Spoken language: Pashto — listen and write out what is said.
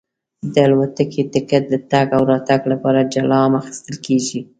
د الوتکې ټکټ د تګ او راتګ لپاره جلا هم اخیستل کېږي.